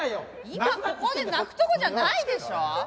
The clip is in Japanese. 今ここで泣くとこじゃないでしょ？